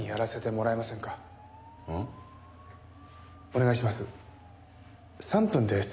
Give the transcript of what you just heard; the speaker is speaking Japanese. お願いします。